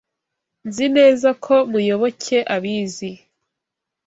Nzi neza ko Muyoboke abizi.